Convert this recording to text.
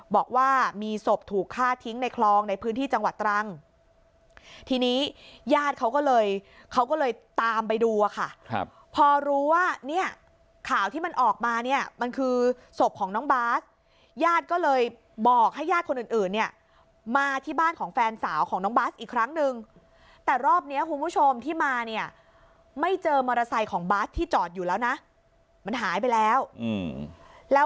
บอกว่ามีศพถูกฆ่าทิ้งในคลองในพื้นที่จังหวัดตรังทีนี้ญาติเขาก็เลยเขาก็เลยตามไปดูอะค่ะครับพอรู้ว่าเนี่ยข่าวที่มันออกมาเนี่ยมันคือศพของน้องบาสญาติก็เลยบอกให้ญาติคนอื่นเนี่ยมาที่บ้านของแฟนสาวของน้องบาสอีกครั้งหนึ่งแต่รอบเนี้ยคุณผู้ชมที่มาเนี่ยไม่เจอมอเตอร์ไซค์ของบาสที่จอดอยู่แล้วนะมันหายไปแล้วแล้ว